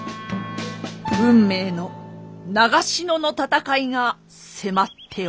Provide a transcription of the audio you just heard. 運命の長篠の戦いが迫っておりました。